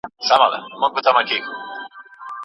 د اوړي وروستی ګلاب